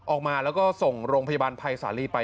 ออกมาแล้วก็ส่งโรงพยาบาลภัยสาลีไป